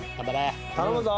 頼むぞ。